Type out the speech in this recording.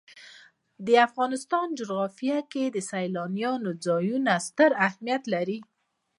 د افغانستان جغرافیه کې سیلاني ځایونه ستر اهمیت لري.